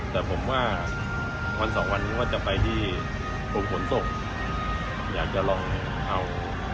แต่ผมว่าวันสองวันนี้ก็จะไปที่กรมขนส่งอยากจะลองเอา